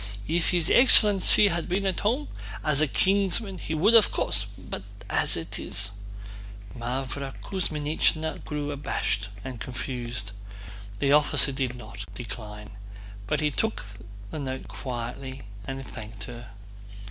"If his excellency had been at home, as a kinsman he would of course... but as it is..." Mávra Kuzmínichna grew abashed and confused. The officer did not decline, but took the note quietly and thanked her.